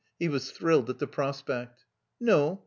He was thrilled at the prospect. "No.